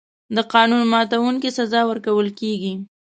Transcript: د قانون ماتونکي سزا ورکول کېږي.